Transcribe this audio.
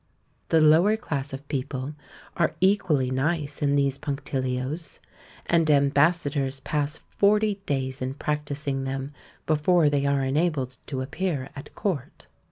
The lower class of people are equally nice in these punctilios; and ambassadors pass forty days in practising them before they are enabled to appear at court.